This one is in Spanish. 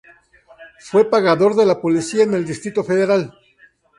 Fue pagador de la Policía en el Distrito Federal.